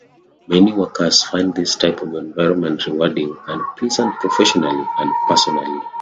Many workers find this type of environment rewarding and pleasant professionally and personally.